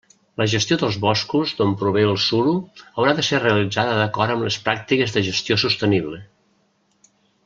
La gestió dels boscos d'on prové el suro haurà de ser realitzada d'acord amb les pràctiques de gestió sostenible.